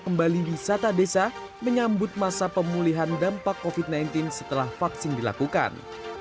kembali wisata desa menyambut masa pemulihan dampak covid sembilan belas setelah vaksin dilakukan